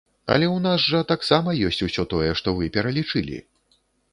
Але у нас жа таксама ёсць усё тое, што вы пералічылі!